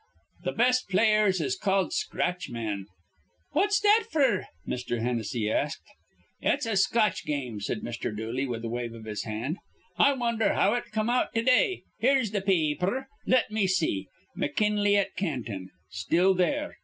Th' best players is called scratch men." "What's that f'r?" Mr. Hennessy asked. "It's a Scotch game," said Mr. Dooley, with a wave of his hand. "I wonder how it come out to day. Here's th' pa aper. Let me see. McKinley at Canton. Still there.